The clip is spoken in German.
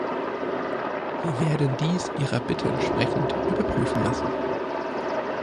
Wir werden dies Ihrer Bitte entsprechend überprüfen lassen.